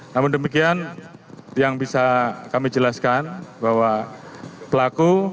namun demikian yang bisa kami jelaskan bahwa pelaku